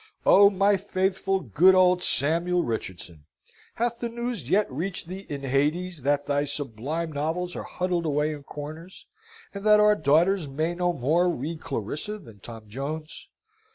Oh, my faithful, good old Samuel Richardson! Hath the news yet reached thee in Hades that thy sublime novels are huddled away in corners, and that our daughters may no more read Clarissa than Tom Jones?